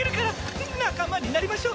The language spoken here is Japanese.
仲間になりましょ！